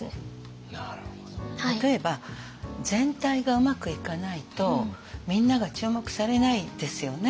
例えば全体がうまくいかないとみんなが注目されないですよね。